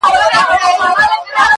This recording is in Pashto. حقيقت ګډوډېږي د خلکو خبرو کي,